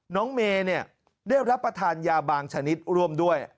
น้องเมย์ได้รับประทานยาบางชนิดร่วมด้วย